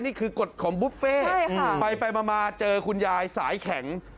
นี่คือกฎของบุฟเฟ่ไปมาเจอคุณยายสายแข็ง